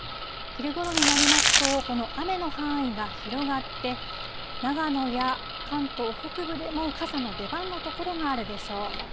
昼ごろになりますと、この雨の範囲が広がって、長野や関東北部でも傘の出番の所があるでしょう。